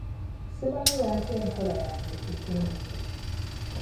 Simanyi lwaki enkola yange ekendedde.